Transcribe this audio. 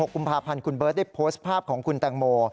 กุมภาพันธ์คุณเบิร์ตได้โพสต์ภาพของคุณแตงโม